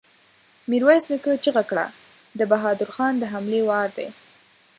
ميرويس نيکه چيغه کړه! د بهادر خان د حملې وار دی!